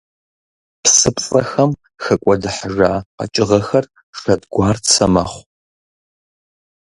ПсыпцӀэхэм хэкӀуэдыхьыжа къэкӀыгъэхэр шэдгуарцэ мэхъу.